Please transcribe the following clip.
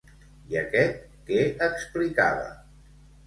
I aquest què explicava?